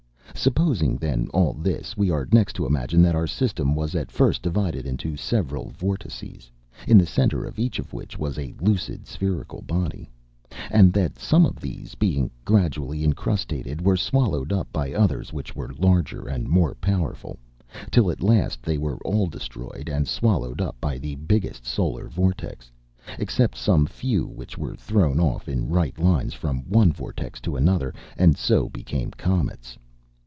Supposing, then, all this, we are next to imagine that our system was at first divided into several vortices, in the centre of each of which was a lucid spherical body; and that some of these being gradually incrustated, were swallowed up by others which were larger, and more powerful, till at last they were all destroyed and swallowed up by the biggest solar vortex, except some few which were thrown off in right lines from one vortex to another, and so became comets.